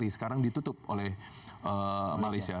sekarang ditutup oleh malaysia